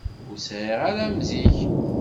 Ur sεiɣ ara am zik.